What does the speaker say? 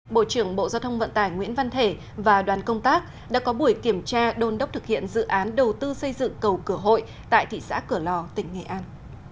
bộ trưởng bộ giao thông vận tải nguyễn văn thể và đoàn công tác đã có buổi kiểm tra đôn đốc thực hiện dự án đầu tư xây dựng cầu cửa hội tại thị xã cửa lò tỉnh nghệ an